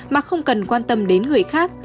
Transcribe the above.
mà không cần quan tâm đến người khác